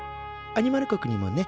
アニマル国にもね